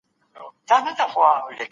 یاران